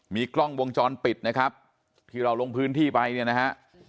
มีกล้องวงจรปิดนะครับที่เราลงพื้นที่ไปเนี่ยนะฮะ